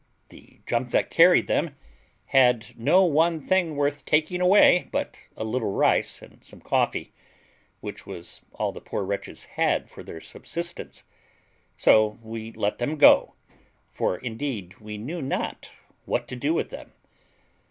The junk that carried them had no one thing worth taking away but a little rice and some coffee, which was all the poor wretches had for their subsistence; so we let them go, for indeed we knew not what to do with them.